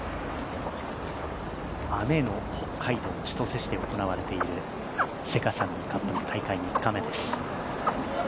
雨の北海道千歳市で行われているセガサミーカップ、大会３日目です。